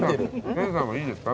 研さんはいいですか？